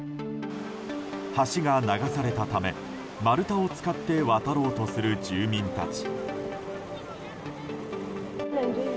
橋が流されたため丸太を使って渡ろうとする住民たち。